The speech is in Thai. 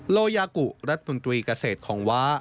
โลกยากุรัฐมนตรีเกษตรคองว้า